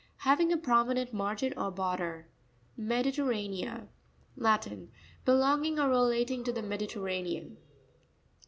—Having a prominent margin or border. Mepirerra'nea.—Latin. Belonging or relating to the Mediterranean.